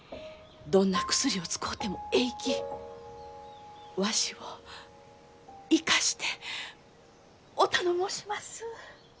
どんな薬を使うてもえいきわしを生かしてお頼申します！